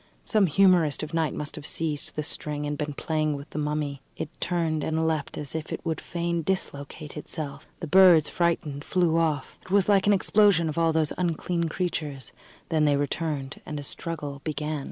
Some humorist of night must have seized the string and been playing with the mummy. It turned and leapt as if it would fain dislocate itself; the birds, frightened, flew off. It was like an explosion of all those unclean creatures. Then they returned, and a struggle began.